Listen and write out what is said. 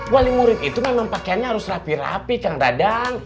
wali murid itu memang pakaiannya harus rapi rapi kadang kadang